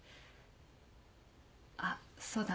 あっそうだ。